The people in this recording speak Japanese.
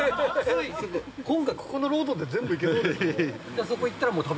今回、ここのロードで全部いける。